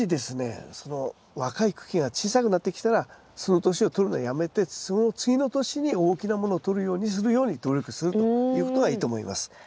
その若い茎が小さくなってきたらその年をとるのやめてその次の年に大きなものをとるようにするように努力するということがいいと思います。